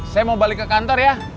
saya mau balik ke kantor ya